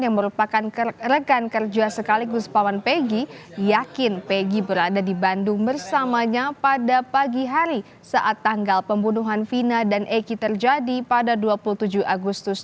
yang merupakan rekan kerja sekaligus pawan peggy yakin peggy berada di bandung bersamanya pada pagi hari saat tanggal pembunuhan vina dan eki terjadi pada dua puluh tujuh agustus